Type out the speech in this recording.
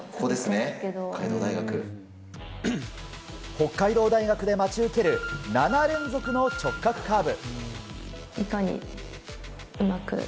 北海道大学で待ち受ける７連続の直角カーブ。